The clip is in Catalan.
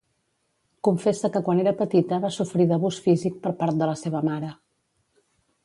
Confessa que quan era petita va sofrir d'abús físic per part de la seva mare.